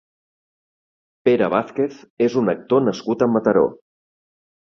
Pere Vàzquez és un actor nascut a Mataró.